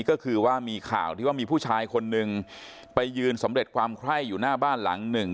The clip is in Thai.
ก็คือว่ามีข่าวที่ว่ามีผู้ชายคนนึงไปยืนสำเร็จความไคร้อยู่หน้าบ้านหลังหนึ่ง